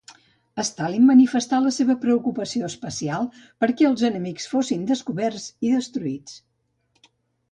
Stalin manifestà la seva preocupació especial perquè els enemics fossin descoberts i destruïts.